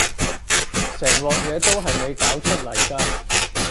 成鑊嘢都係你搞出嚟㗎